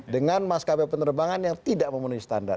dengan maskapai penerbangan yang tidak memenuhi standar